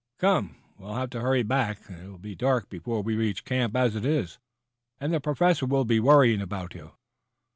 "Come, we'll have to hurry back It will be dark before we reach camp, as it is, and the Professor will be worrying about you."